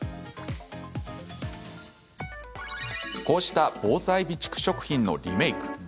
こうした防災備蓄食品のリメイク。